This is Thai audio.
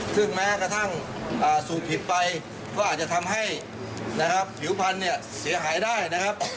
ซึ่งแม้กระทั่งสูบผิดไปก็อาจจะทำให้นะครับผิวพันธุ์เนี่ยเสียหายได้นะครับ